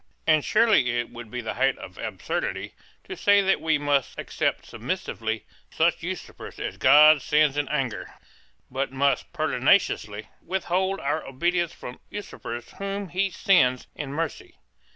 And surely it would be the height of absurdity to say that we must accept submissively such usurpers as God sends in anger, but must pertinaciously withhold our obedience from usurpers whom He sends in mercy.